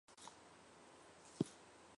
团山并殖吸虫为并殖科并殖属的动物。